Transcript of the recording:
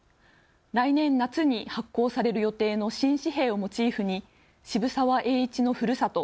来年夏に発行される予定の新紙幣をモチーフに渋沢栄一のふるさと